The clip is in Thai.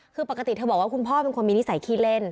คือปกติเธอบอกว่าคุณพ่อเป็นคนมีนิสัยขี้เล่น